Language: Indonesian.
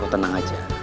kau tenang aja